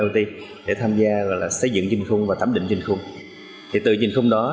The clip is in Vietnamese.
iot để tham gia xây dựng trình khung và tắm định trình khung thì từ trình khung đó